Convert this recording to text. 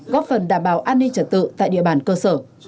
góp phần đảm bảo an ninh trật tự tại địa bàn cơ sở